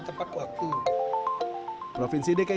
ada prekomposisi proteins istikamah